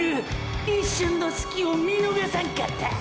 一瞬のスキを見のがさんかった！！